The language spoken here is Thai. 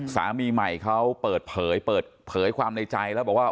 สามีใหม่เขาเปิดเผยเปิดเผยความในใจแล้วบอกว่า